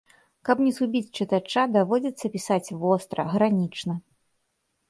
Каб не згубіць чытача, даводзіцца пісаць востра, гранічна.